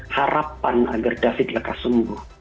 harapan agar david lekas sembuh